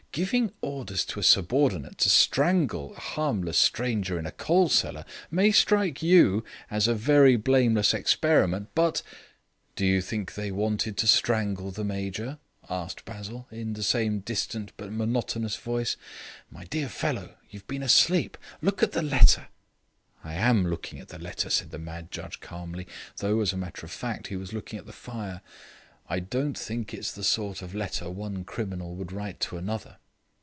"Giving orders to a subordinate to strangle a harmless stranger in a coal cellar may strike you as a very blameless experiment, but " "Do you think they wanted to strangle the Major?" asked Basil, in the same distant and monotonous voice. "My dear fellow, you've been asleep. Look at the letter." "I am looking at the letter," said the mad judge calmly; though, as a matter of fact, he was looking at the fire. "I don't think it's the sort of letter one criminal would write to another."